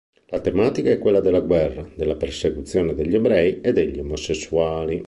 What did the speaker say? La tematica è quella della guerra, della persecuzione degli ebrei e degli omosessuali.